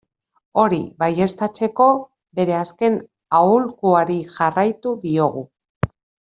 Hori baieztatzeko, bere azken aholkuari jarraitu diogu.